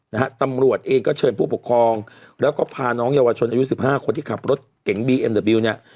นะฮะตำรวจเองก็เชิญผู้ปกครองแล้วก็พาน้องเยาวชนอายุสิบห้าคนที่ขับรถเก๋งบีเอ็มเดอร์บิลเนี่ย